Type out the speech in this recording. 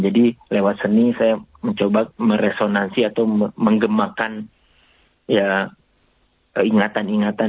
jadi lewat seni saya mencoba meresonansi atau mengemakan ya ingatan ingatan